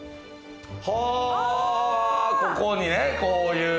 はぁここにねこういう。